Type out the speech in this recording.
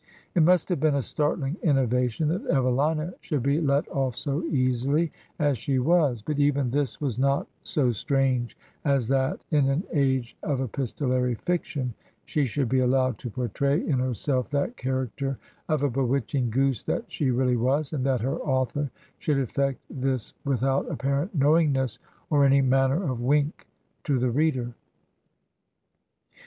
It must have been a startling innovation that Evelina should be let ofif so easily as she was, but even this was not so strange as that in an age of epistolary fiction she should be allowed to portray in herself that character of a bewitching goose that she really was, and that her author should effect this with out apparent knowingness, or any manner of wink to the reader.